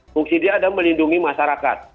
fungsi dia adalah melindungi masyarakat